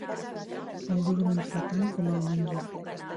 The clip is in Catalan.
El dormir fa tant com el menjar.